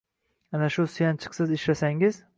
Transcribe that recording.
Ana shu suyanchiqsiz ishlasangiz.